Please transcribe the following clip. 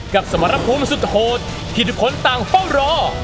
สมรภูมิสุดโหดที่ทุกคนต่างเฝ้ารอ